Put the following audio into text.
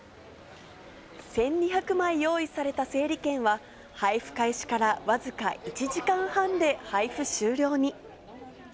１２００枚用意された整理券は、配布開始から僅か１時間半で配布終了に。